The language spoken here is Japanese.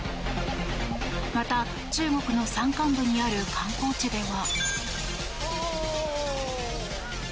また、中国の山間部にある観光地では。